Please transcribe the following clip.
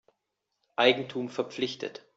Eigentum verpflichtet.